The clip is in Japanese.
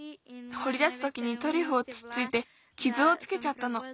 ほりだすときにトリュフをつっついてきずをつけちゃったの。